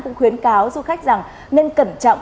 cũng khuyến cáo du khách rằng nên cẩn trọng